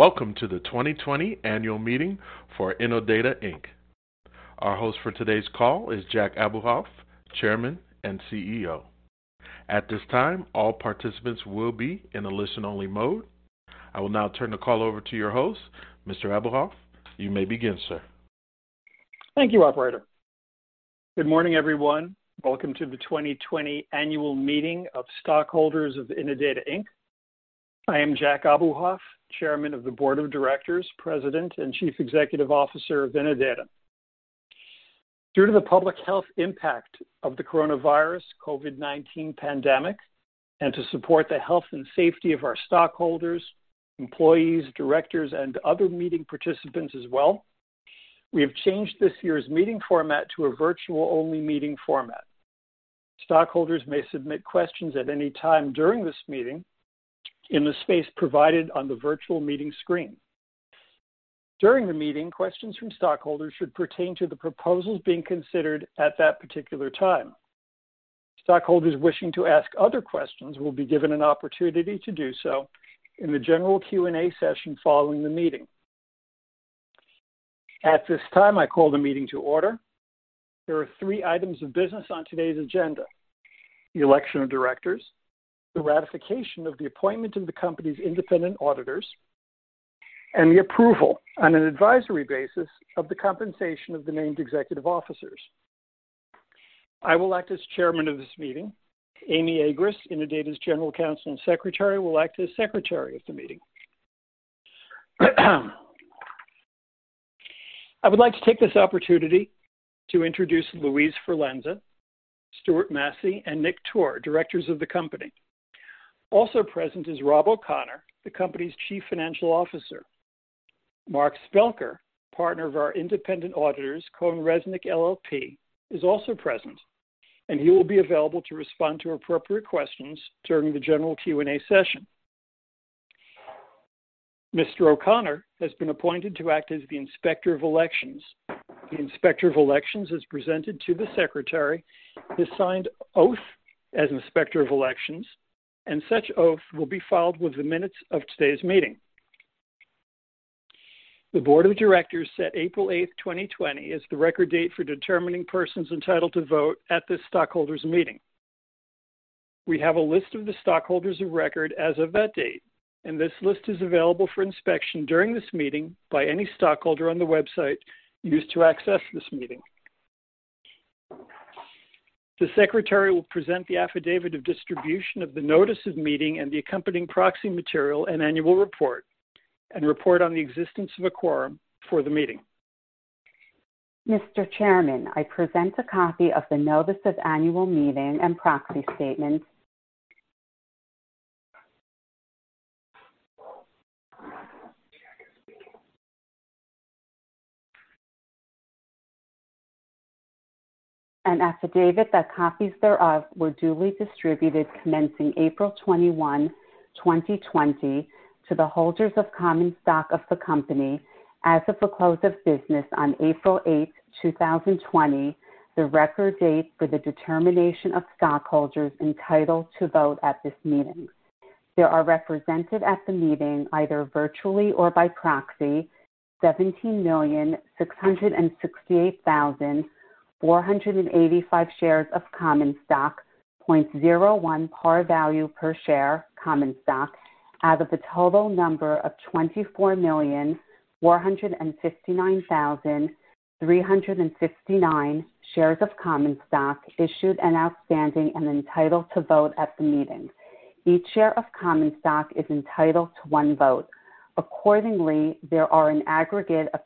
Welcome to the 2020 Annual Meeting for Innodata Inc. Our host for today's call is Jack Abuhoff, Chairman and CEO. At this time, all participants will be in a listen-only mode. I will now turn the call over to your host, Mr. Abuhoff. You may begin, sir. Thank you, Operator. Good morning, everyone. Welcome to the 2020 Annual Meeting of Stockholders of Innodata Inc. I am Jack Abuhoff, Chairman of the Board of Directors, President, and Chief Executive Officer of Innodata. Due to the public health impact of the coronavirus/COVID-19 pandemic and to support the health and safety of our stockholders, employees, directors, and other meeting participants as well, we have changed this year's meeting format to a virtual-only meeting format. Stockholders may submit questions at any time during this meeting in the space provided on the virtual meeting screen. During the meeting, questions from stockholders should pertain to the proposals being considered at that particular time. Stockholders wishing to ask other questions will be given an opportunity to do so in the general Q&A session following the meeting. At this time, I call the meeting to order. There are three items of business on today's agenda: the election of directors, the ratification of the appointment of the company's independent auditors, and the approval, on an advisory basis, of the compensation of the named executive officers. I will act as Chairman of this meeting. Amy Agress, Innodata's General Counsel and Secretary, will act as Secretary of the meeting. I would like to take this opportunity to introduce Louise Forlenza, Stuart Massey, and Nick Toor, Directors of the Company. Also present is Rob O'Connor, the company's Chief Financial Officer. Mark Spelker, partner of our independent auditors, CohnReznick LLP, is also present, and he will be available to respond to appropriate questions during the general Q&A session. Mr. O'Connor has been appointed to act as the Inspector of Elections. The Inspector of Elections has presented to the Secretary his signed oath as Inspector of Elections, and such oath will be filed within the minutes of today's meeting. The Board of Directors set April 8, 2020, as the record date for determining persons entitled to vote at this stockholders' meeting. We have a list of the stockholders of record as of that date, and this list is available for inspection during this meeting by any stockholder on the website used to access this meeting. The Secretary will present the affidavit of distribution of the notice of meeting and the accompanying proxy material and annual report, and report on the existence of a quorum for the meeting. Mr. Chairman, I present a copy of the notice of annual meeting and proxy statements. An affidavit that copies thereof were duly distributed commencing April 21, 2020, to the holders of common stock of the company as of the close of business on April 8, 2020, the record date for the determination of stockholders entitled to vote at this meeting. There are represented at the meeting, either virtually or by proxy, 17,668,485 shares of common stock, 0.01 par value per share common stock, out of the total number of 24,459,359 shares of common stock issued and outstanding and entitled to vote at the meeting. Each share of common stock is entitled to one vote. Accordingly, there are an aggregate of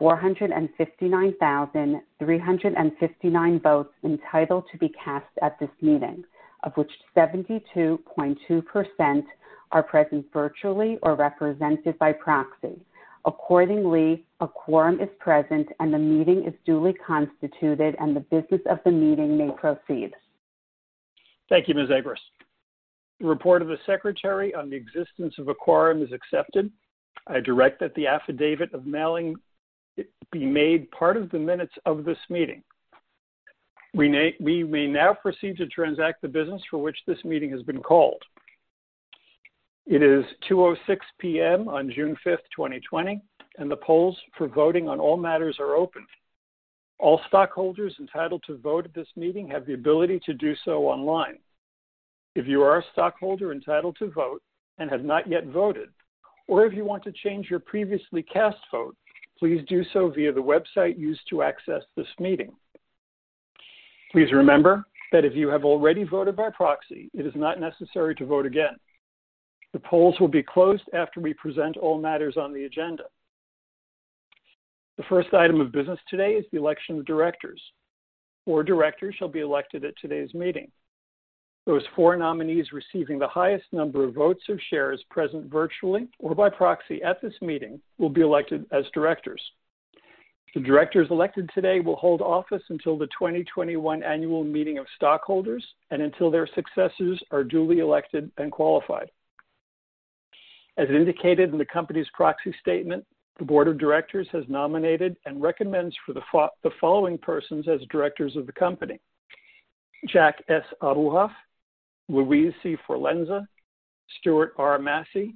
24,459,359 votes entitled to be cast at this meeting, of which 72.2% are present virtually or represented by proxy. Accordingly, a quorum is present and the meeting is duly constituted and the business of the meeting may proceed. Thank you, Ms. Agress. The report of the Secretary on the existence of a quorum is accepted. I direct that the affidavit of mailing be made part of the minutes of this meeting. We may now proceed to transact the business for which this meeting has been called. It is 2:06 P.M. on June 5th, 2020, and the polls for voting on all matters are open. All stockholders entitled to vote at this meeting have the ability to do so online. If you are a stockholder entitled to vote and have not yet voted, or if you want to change your previously cast vote, please do so via the website used to access this meeting. Please remember that if you have already voted by proxy, it is not necessary to vote again. The polls will be closed after we present all matters on the agenda. The first item of business today is the election of directors. Four directors shall be elected at today's meeting. Those four nominees receiving the highest number of votes or shares present virtually or by proxy at this meeting will be elected as directors. The directors elected today will hold office until the 2021 Annual Meeting of Stockholders and until their successors are duly elected and qualified. As indicated in the company's proxy statement, the Board of Directors has nominated and recommends for the following persons as directors of the company: Jack S. Abuhoff, Louise C. Forlenza, Stuart R. Massey,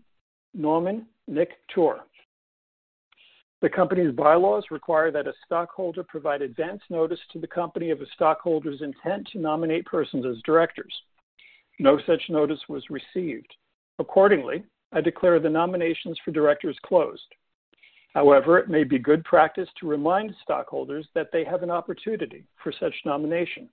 Nauman Nick Toor. The company's bylaws require that a stockholder provide advance notice to the company of a stockholder's intent to nominate persons as directors. No such notice was received. Accordingly, I declare the nominations for directors closed. However, it may be good practice to remind stockholders that they have an opportunity for such nomination.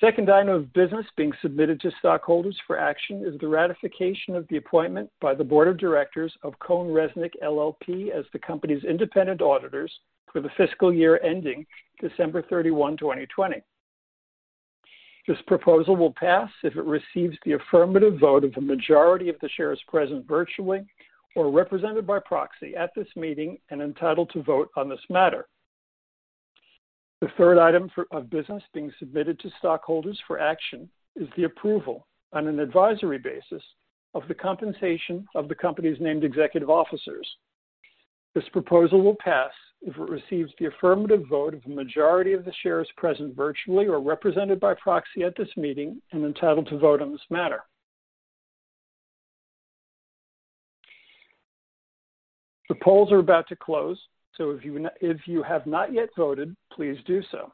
The second item of business being submitted to stockholders for action is the ratification of the appointment by the Board of Directors of CohnReznick LLP as the company's independent auditors for the fiscal year ending December 31, 2020. This proposal will pass if it receives the affirmative vote of a majority of the shares present virtually or represented by proxy at this meeting and entitled to vote on this matter. The third item of business being submitted to stockholders for action is the approval, on an advisory basis, of the compensation of the company's named executive officers. This proposal will pass if it receives the affirmative vote of a majority of the shares present virtually or represented by proxy at this meeting and entitled to vote on this matter. The polls are about to close, so if you have not yet voted, please do so.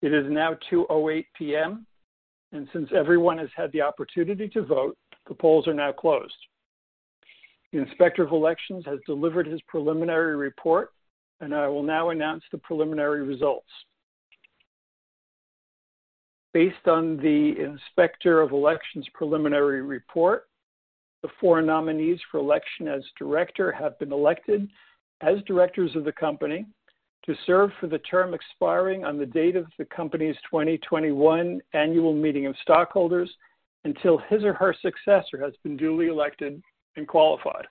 It is now 2:08 P.M., and since everyone has had the opportunity to vote, the polls are now closed. The Inspector of Elections has delivered his preliminary report, and I will now announce the preliminary results. Based on the Inspector of Elections preliminary report, the four nominees for election as director have been elected as Directors of the Company to serve for the term expiring on the date of the company's 2021 Annual Meeting of Stockholders until his or her successor has been duly elected and qualified.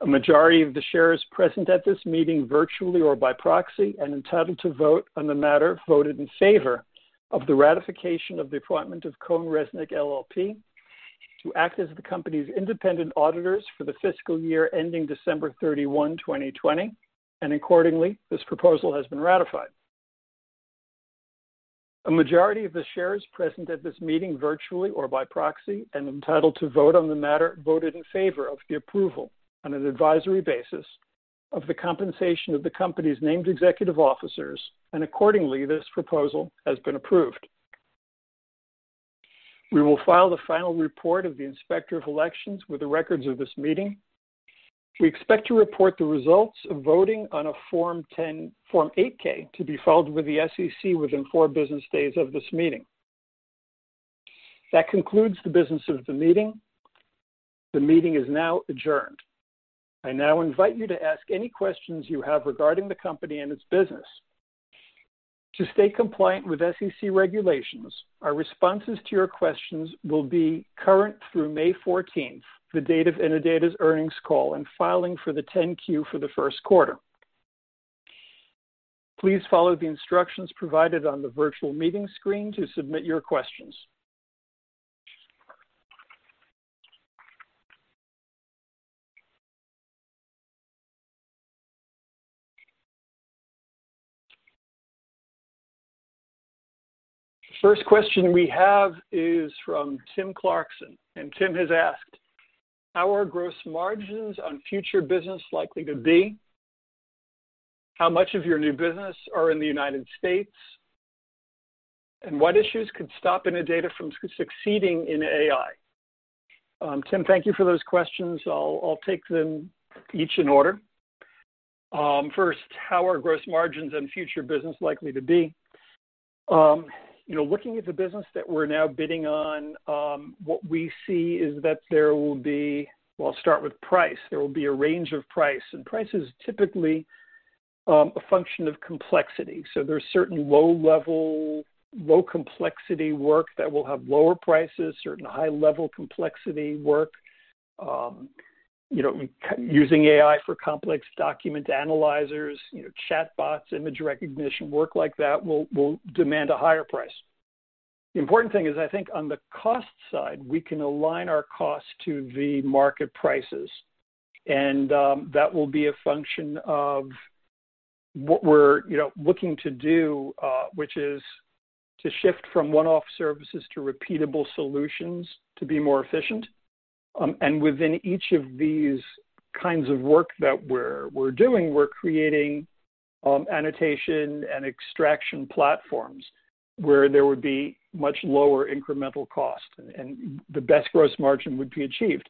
A majority of the shares present at this meeting virtually or by proxy and entitled to vote on the matter voted in favor of the ratification of the appointment of CohnReznick LLP to act as the company's independent auditors for the fiscal year ending December 31, 2020, and accordingly, this proposal has been ratified. A majority of the shares present at this meeting virtually or by proxy and entitled to vote on the matter voted in favor of the approval, on an advisory basis, of the compensation of the company's named executive officers, and accordingly, this proposal has been approved. We will file the final report of the Inspector of Elections with the records of this meeting. We expect to report the results of voting on a Form 8-K to be filed with the SEC within four business days of this meeting. That concludes the business of the meeting. The meeting is now adjourned. I now invite you to ask any questions you have regarding the company and its business. To stay compliant with SEC regulations, our responses to your questions will be current through May 14th, the date of Innodata's earnings call and filing for the 10-Q for the first quarter. Please follow the instructions provided on the virtual meeting screen to submit your questions. The first question we have is from Tim Clarkson, and Tim has asked, "How are gross margins on future business likely to be? How much of your new business are in the United States? And what issues could stop Innodata from succeeding in AI?" Tim, thank you for those questions. I'll take them each in order. First, how are gross margins on future business likely to be? Looking at the business that we're now bidding on, what we see is that there will be, well, I'll start with price. There will be a range of price, and price is typically a function of complexity, so there's certain low-level, low-complexity work that will have lower prices, certain high-level complexity work using AI for complex document analyzers, chatbots, image recognition, work like that will demand a higher price. The important thing is, I think, on the cost side, we can align our costs to the market prices, and that will be a function of what we're looking to do, which is to shift from one-off services to repeatable solutions to be more efficient, and within each of these kinds of work that we're doing, we're creating annotation and extraction platforms where there would be much lower incremental cost, and the best gross margin would be achieved.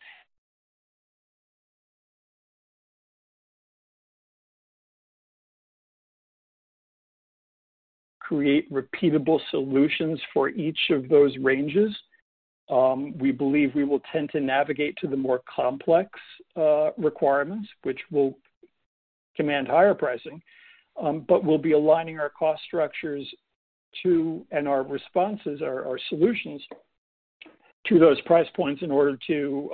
Create repeatable solutions for each of those ranges. We believe we will tend to navigate to the more complex requirements, which will demand higher pricing, but we'll be aligning our cost structures to, and our responses are our solutions to those price points in order to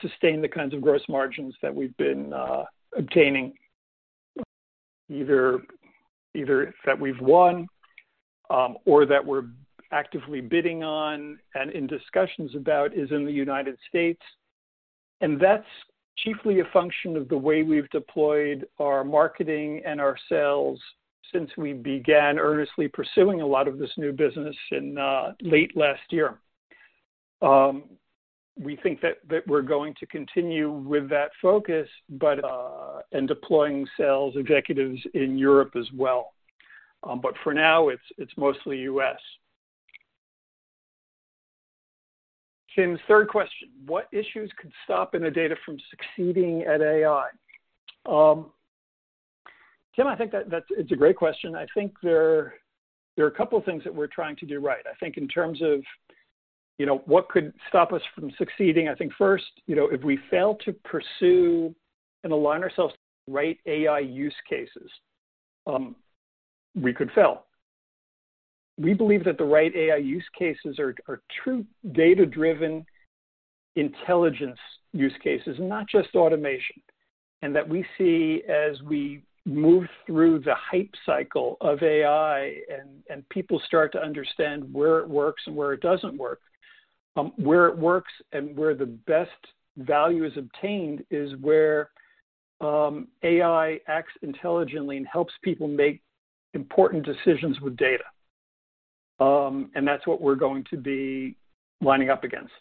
sustain the kinds of gross margins that we've been obtaining, either that we've won or that we're actively bidding on and in discussions about, is in the United States, and that's chiefly a function of the way we've deployed our marketing and our sales since we began earnestly pursuing a lot of this new business in late last year. We think that we're going to continue with that focus and deploying sales executives in Europe as well, but for now, it's mostly US. Tim's third question, "What issues could stop Innodata from succeeding at AI?" Tim, I think that's a great question. I think there are a couple of things that we're trying to do right. I think in terms of what could stop us from succeeding, I think first, if we fail to pursue and align ourselves to the right AI use cases, we could fail. We believe that the right AI use cases are true data-driven intelligence use cases, not just automation, and that we see as we move through the hype cycle of AI and people start to understand where it works and where it doesn't work, where it works and where the best value is obtained is where AI acts intelligently and helps people make important decisions with data, and that's what we're going to be lining up against.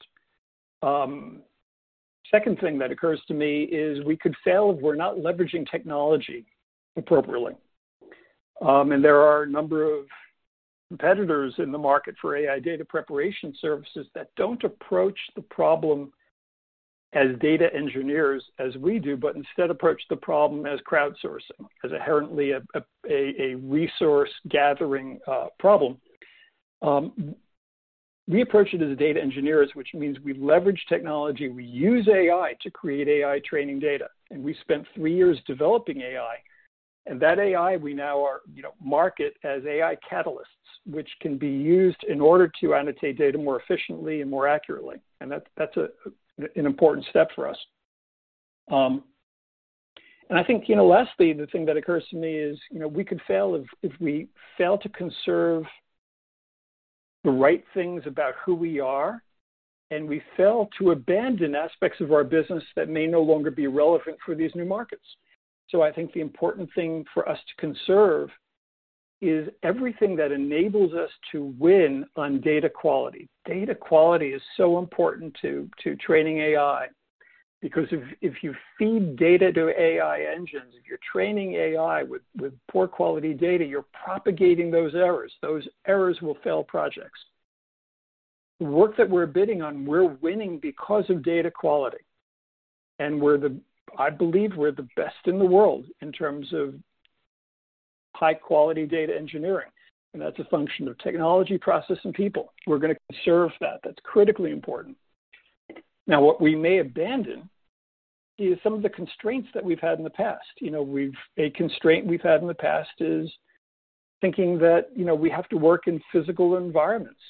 Second thing that occurs to me is we could fail if we're not leveraging technology appropriately. There are a number of competitors in the market for AI data preparation services that don't approach the problem as data engineers as we do, but instead approach the problem as crowdsourcing, as inherently a resource-gathering problem. We approach it as data engineers, which means we leverage technology. We use AI to create AI training data, and we spent three years developing AI. That AI, we now market as AI catalysts, which can be used in order to annotate data more efficiently and more accurately. That's an important step for us. I think, lastly, the thing that occurs to me is we could fail if we fail to conserve the right things about who we are, and we fail to abandon aspects of our business that may no longer be relevant for these new markets. So I think the important thing for us to conserve is everything that enables us to win on data quality. Data quality is so important to training AI because if you feed data to AI engines, if you're training AI with poor quality data, you're propagating those errors. Those errors will fail projects. The work that we're bidding on, we're winning because of data quality. And I believe we're the best in the world in terms of high-quality data engineering. And that's a function of technology, process, and people. We're going to conserve that. That's critically important. Now, what we may abandon is some of the constraints that we've had in the past. A constraint we've had in the past is thinking that we have to work in physical environments.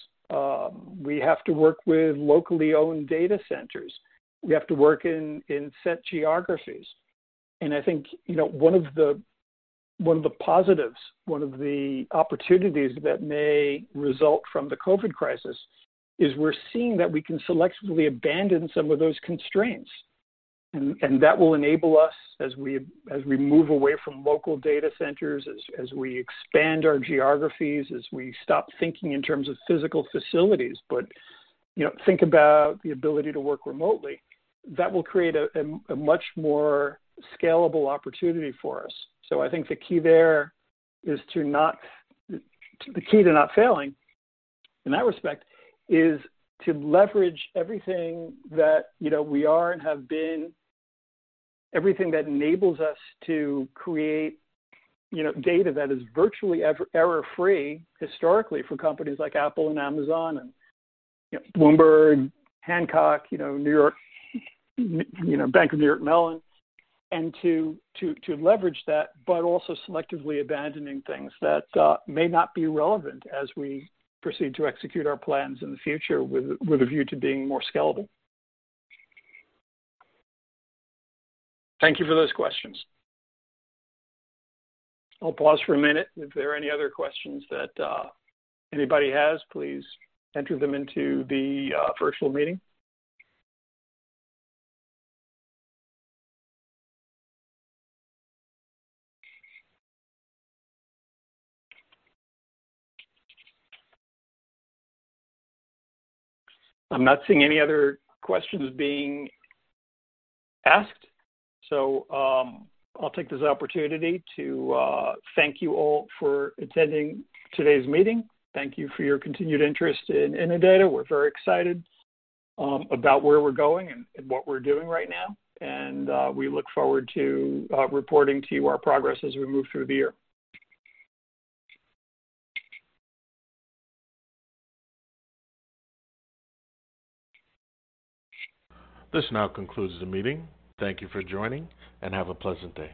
We have to work with locally owned data centers. We have to work in set geographies. I think one of the positives, one of the opportunities that may result from the COVID crisis is we're seeing that we can selectively abandon some of those constraints. That will enable us as we move away from local data centers, as we expand our geographies, as we stop thinking in terms of physical facilities, but think about the ability to work remotely. That will create a much more scalable opportunity for us. So I think the key there is to not failing in that respect is to leverage everything that we are and have been, everything that enables us to create data that is virtually error-free historically for companies like Apple and Amazon and Bloomberg, Hancock, the Bank of New York Mellon, and to leverage that, but also selectively abandoning things that may not be relevant as we proceed to execute our plans in the future with a view to being more scalable. Thank you for those questions. I'll pause for a minute. If there are any other questions that anybody has, please enter them into the virtual meeting. I'm not seeing any other questions being asked. So I'll take this opportunity to thank you all for attending today's meeting. Thank you for your continued interest in Innodata. We're very excited about where we're going and what we're doing right now. And we look forward to reporting to you our progress as we move through the year. This now concludes the meeting. Thank you for joining, and have a pleasant day.